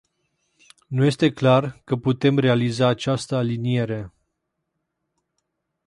Nu este clar că putem realiza această aliniere.